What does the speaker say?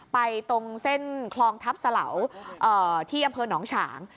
ตรงเส้นคลองทัพสะเหลาที่อำเภอหนองฉาง